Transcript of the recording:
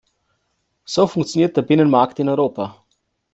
So funktioniert der Binnenmarkt in Europa.